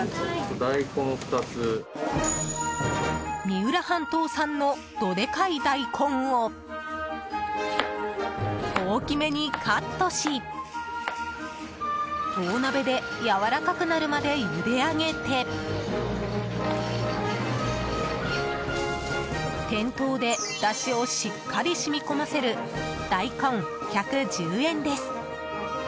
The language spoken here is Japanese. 三浦半島産の、どでかい大根を大きめにカットし大鍋で、やわらかくなるまでゆで上げて店頭で、だしをしっかり染み込ませる大根、１１０円です。